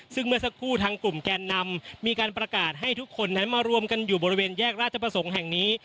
ซึ่งเมื่อสักครู่ทางกลุ่มแกนนำมีการประกาศให้ทุกคนนั้นมารวมกันอยู่บริเวณแยกราชประสงค์แห่งนี้